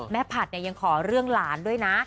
ผัดยังขอเรื่องหลานด้วยนะ